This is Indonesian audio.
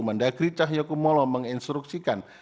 mendagri cahyokumolo menginstruksikan